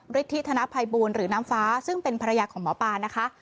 ฤทธิธนภัยบูลหรือน้ำฟ้าซึ่งเป็นภรรยาของหมอปลานะคะ